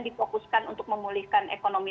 dipokuskan untuk memulihkan ekonomi